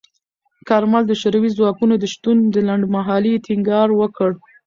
کارمل د شوروي ځواکونو د شتون د لنډمهالۍ ټینګار وکړ.